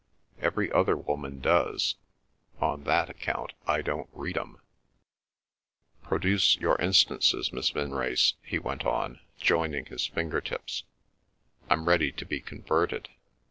Every other woman does; on that account, I don't read 'em." "Produce your instances, Miss Vinrace," he went on, joining his finger tips. "I'm ready to be converted."